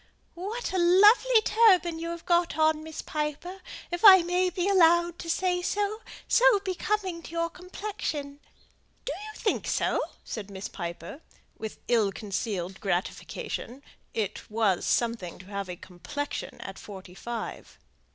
"What a lovely turban you have got on, Miss Piper, if I may be allowed to say so: so becoming to your complexion!" "Do you think so?" said Miss Piper, with ill concealed gratification; it was something to have a "complexion" at forty five.